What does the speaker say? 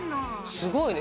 すごいね！